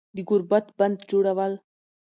د گوربت بندجوړول